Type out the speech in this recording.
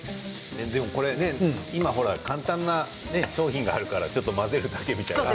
今、簡単な商品があるからちょっと混ぜるだけみたいな。